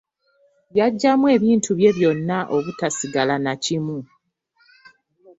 Yagyamu ebintu bye byonna obutasigala nakimu.